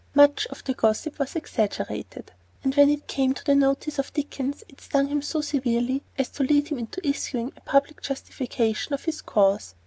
Much of the gossip was exaggerated; and when it came to the notice of Dickens it stung him so severely as to lead him into issuing a public justification of his course.